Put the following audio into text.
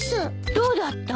どうだった？